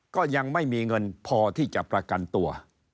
ก็ยังไม่มีเงินพอที่จะประกันตัว